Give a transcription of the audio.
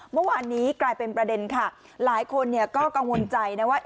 เมื่อวานนี้กลายเป็นประเด็นค่ะหลายคนเนี่ยก็กังวลใจนะว่า